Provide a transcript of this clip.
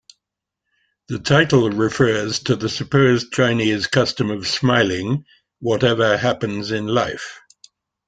The title refers to the supposed Chinese custom of smiling, whatever happens in life.